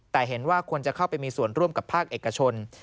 แต่เห็นว่าควรจะเข้าไปมีส่วนร่วมกับภาคเอกชน